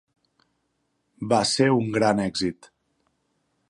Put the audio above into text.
Va ser un gran èxit.